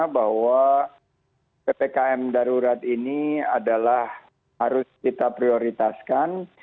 bahwa ppkm darurat ini adalah harus kita prioritaskan